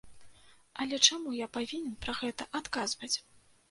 Але чаму я павінен пра гэта адказваць?